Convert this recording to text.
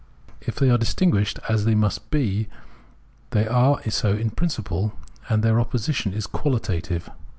If they are distinguished, as they must be, they are so in priaciple, and their opposition is qualitative.